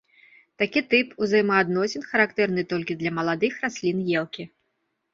Такі тып узаемаадносін характэрны толькі для маладых раслін елкі.